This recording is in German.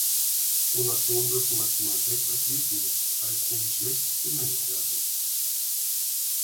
Pro Nation dürfen maximal sechs Athleten (drei pro Geschlecht) gemeldet werden.